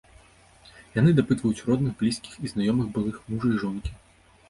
Яны дапытваюць родных, блізкіх і знаёмыя былых мужа і жонкі.